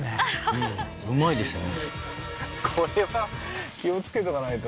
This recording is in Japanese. うんうまいですよね